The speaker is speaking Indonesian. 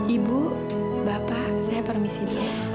ibu bapak saya permisi dulu